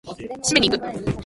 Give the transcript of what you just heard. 締めに行く！